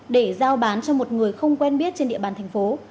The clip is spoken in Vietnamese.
để giao bán cho một người không quen biết trên địa bàn thành phố